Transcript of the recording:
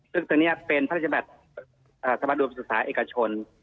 ซึ่งจะเป็นพระทราบาลสมดุลวิทยาลัยใดกระชน